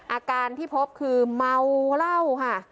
อาการที่พบคือเมาเหล้าค่ะ